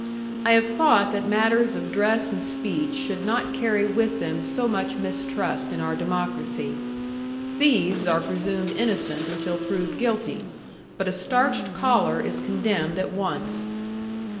I have thought that matters of dress and speech should not carry with them so much mistrust in our democracy; thieves are presumed innocent until proved guilty, but a starched collar is condemned at once.